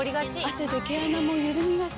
汗で毛穴もゆるみがち。